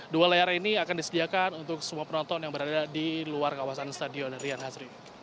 dua layar ini akan disediakan untuk semua penonton yang berada di luar kawasan stadion rian hazri